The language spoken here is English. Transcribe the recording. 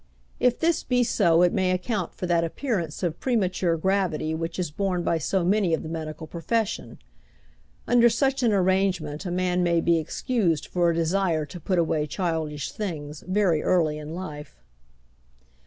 If this be so it may account for that appearance of premature gravity which is borne by so many of the medical profession. Under such an arrangement a man may be excused for a desire to put away childish things very early in life.